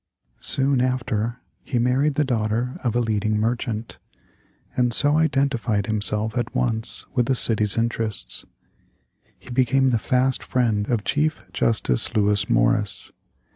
Soon after, he married the daughter of a leading merchant, and so identified himself at once with the city's interests. He became the fast friend of Chief Justice Lewis Morris.